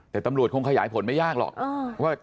แต่ตำรวจคงขยายผลไม่ยากหรอก